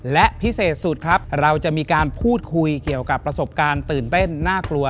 และพิเศษสุดครับเราจะมีการพูดคุยเกี่ยวกับประสบการณ์ตื่นเต้นน่ากลัว